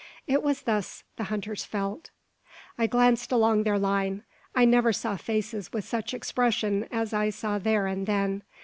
It was thus the hunters felt. I glanced along their line. I never saw faces with such expressions as I saw there and then.